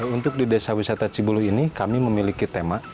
untuk di desa wisata cibulu ini kami memiliki tema